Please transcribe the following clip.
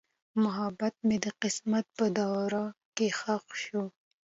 محبت مې د قسمت په دوړو کې ښخ شو.